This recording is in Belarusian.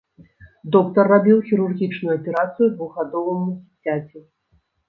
Доктар рабіў хірургічную аперацыю двухгадоваму дзіцяці.